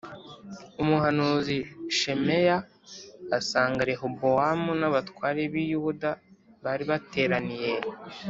umuhanuzi shemaya asanga rehobowamu n abatware biyuda bari bateraniye